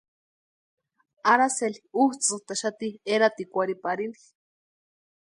Aracely útsʼïntaxati eratikwarhiparini.